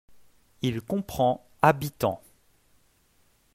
Il comprend habitants.